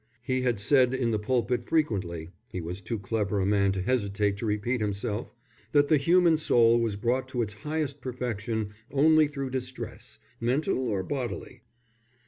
He had said in the pulpit frequently, (he was too clever a man to hesitate to repeat himself,) that the human soul was brought to its highest perfection only through distress, mental or bodily.